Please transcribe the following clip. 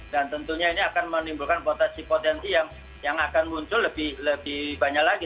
dan tentunya ini akan menimbulkan potensi potensi yang akan muncul lebih banyak lagi